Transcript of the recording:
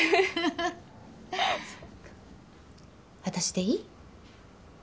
私でいい？